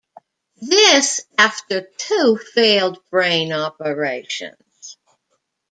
This after two failed brain operations.